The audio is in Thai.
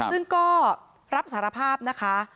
ซึ่งก็รับสารภาพนะคะ